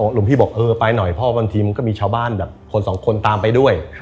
หลวงพี่บอกเออไปหน่อยพ่อบางทีมันก็มีชาวบ้านแบบคนสองคนตามไปด้วย